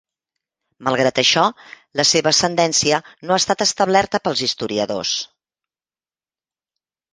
Malgrat això, la seva ascendència no ha estat establerta pels historiadors.